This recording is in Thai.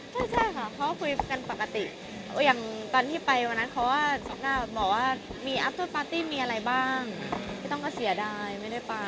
เขาคุยกันปกติอย่างตอนที่ไปวันนั้นเขาว่าบอกว่ามีอัพเตอร์ปาร์ตี้มีอะไรบ้างไม่ต้องเกษียดายไม่ได้ปล่า